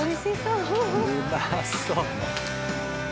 うまそう！